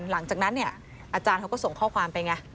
หลังจากนั้นเนี่ยอาจารย์เขาก็ส่งข้อความไปไง